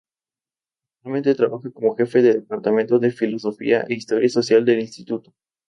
Actualmente trabaja como jefe del Departamento de Filosofía e Historia Social del Instituto.